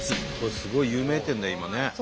すごい有名店だよ今ね。